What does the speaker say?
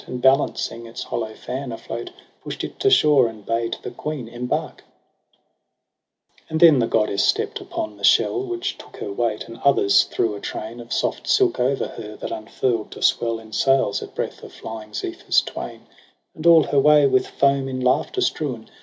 And balancing its hollow fan afloat, Push'd it to shore and bade the queen embark : And then the goddess stept upon the shell Which took her weight j and others threw a train Of soft silk o'er her, that unfurl'd to swell In sails, at breath of flying Zephyrs twain j And all her way with foam in laughter strewn.